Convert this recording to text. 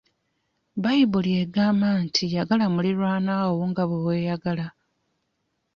Bbayibuliya egamba nti yagala muliraanwa wo nga bwe weeyagala.